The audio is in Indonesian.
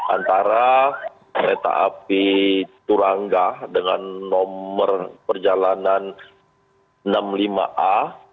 antara kereta api turangga dengan nomor perjalanan enam puluh lima a